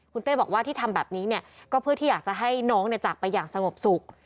คุณเต้บอกว่าที่ทำแบบนี้เนี่ยก็เพื่อที่อยากจะให้น้องจากไปอย่างสงบสุข